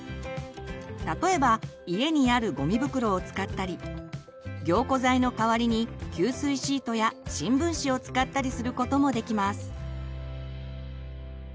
例えば家にあるゴミ袋を使ったり凝固剤の代わりに吸水シートや新聞紙を使ったりすることもできます。